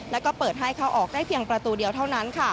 แล้วก็เปิดให้เข้าออกได้เพียงประตูเดียวเท่านั้น